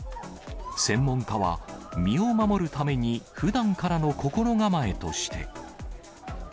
専門家は、身を守るために、ふだんからの心構えとして。